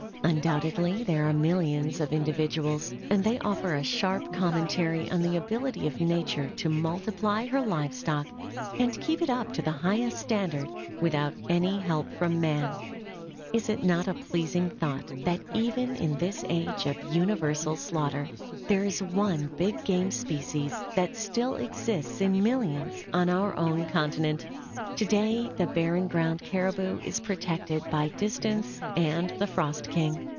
Undoubtedly there are millions of individuals, and they offer a sharp commentary on the ability of Nature to multiply her live stock, and keep it up to the highest standard, without any help from man. [Illustration: ELK HERD IN THE NEW YORK ZOOLOGICAL PARK] Is it not a pleasing thought that even in this age of universal slaughter there is one big game species that still exists in millions, on our own continent? To day the Barren Ground caribou is protected by distance and the frost king.